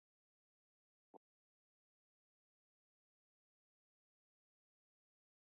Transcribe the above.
Murray left when changes in editorial policies took place.